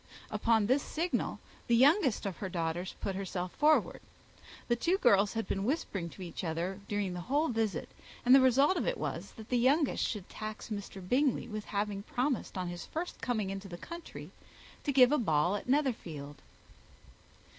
Upon this signal, the youngest of her daughters put herself forward. The two girls had been whispering to each other during the whole visit; and the result of it was, that the youngest should tax Mr. Bingley with having promised on his first coming into the country to give a ball at Netherfield.